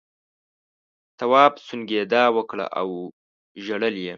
تواب سونگېدا وکړه او ژړل یې.